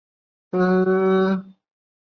面对着即将到来的二十一世纪